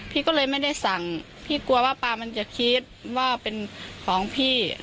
พี่ก็เลยไม่ได้สั่งพี่กลัวว่าปลามันจะคิดว่าเป็นของพี่